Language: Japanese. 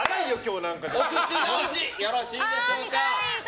お口直し、よろしいでしょうか。